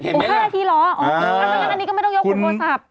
เห็นไหมล่ะอ๋อ๕นาทีเหรออันนี้ก็ไม่ต้องยกขุมโทรศัพท์